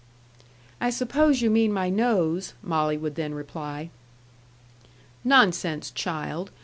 "I suppose you mean my nose," Molly would then reply. "Nonsense, child.